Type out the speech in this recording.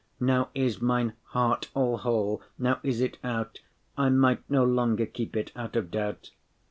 Now is mine heart all whole; now is it out; I might no longer keep it, out of doubt.